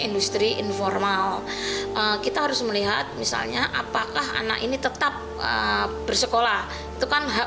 industri informal kita harus melihat misalnya apakah anak ini tetap bersekolah itu kan hak